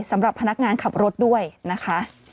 สำหรับพนักงานขับรถด้วยนะคะ